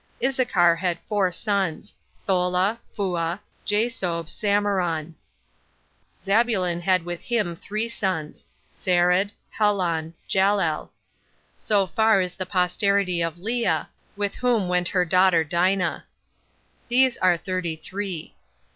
Issachar had four sons Thola, Phua, Jasob, Samaron. Zabulon had with him three sons Sarad, Helon, Jalel. So far is the posterity of Lea; with whom went her daughter Dinah. These are thirty three.